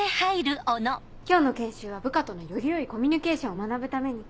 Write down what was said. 今日の研修は部下とのよりよいコミュニケーションを学ぶために。